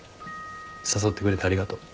誘ってくれてありがとう。